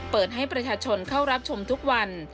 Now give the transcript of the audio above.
เปิดให้ประชาชนเข้ารับชมทุกวัน